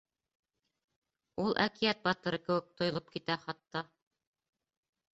Ул әкиәт батыры кеүек тойолоп китә хатта.